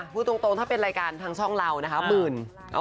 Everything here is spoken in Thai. คืออ่ะพูดตรงถ้าเป็นเรื่องรายการทางช่องเรานะคะหมื่น